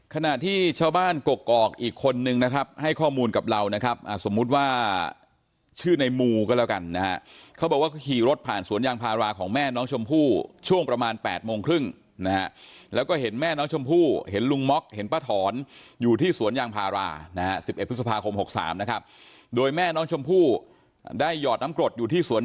ขณะที่ชาวบ้านกกอกอีกคนนึงนะครับให้ข้อมูลกับเรานะครับสมมุติว่าชื่อในมูก็แล้วกันนะฮะเขาบอกว่าขี่รถผ่านสวนยางพาราของแม่น้องชมพู่ช่วงประมาณ๘โมงครึ่งนะฮะแล้วก็เห็นแม่น้องชมพู่เห็นลุงม็อกเห็นป้าถอนอยู่ที่สวนยางพารานะฮะ๑๑พฤษภาคม๖๓นะครับโดยแม่น้องชมพู่ได้หยอดน้ำกรดอยู่ที่สวน